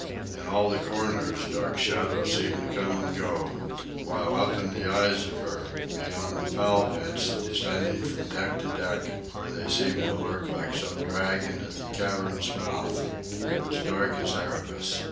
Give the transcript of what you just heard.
In all the corners dark shadows seemed to come and go, while up in the eyes of her, beyond the pall bits, descending from deck to deck, where they seemed to lurk like some dragon at the cavern's mouth, it was dark as Erebus.